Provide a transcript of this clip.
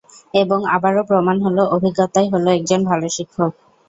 এবং আবারও প্রমাণ হল - অভিজ্ঞতাই হল একজন ভালো শিক্ষক।